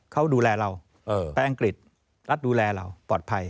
เขาดูแลเราไปอังกฤษรัฐดูแลเราปลอดภัย